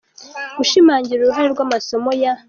gushimangira uruhare rw’amasomo ya.